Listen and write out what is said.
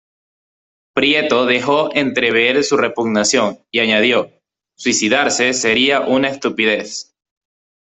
Prieto dejó entrever su repugnancia y añadió “Suicidarse sería una estupidez.